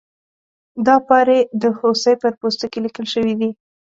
دا پارې د هوسۍ پر پوستکي لیکل شوي دي.